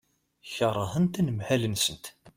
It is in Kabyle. Keṛhent anemhal-nsent.